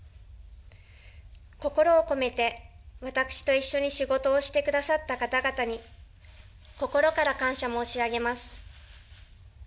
心を込めて、私と一緒に仕事をしてくださった方々に、心から感謝申し上げます。